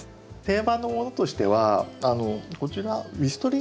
定番のものとしてはこちらウエストリンギア。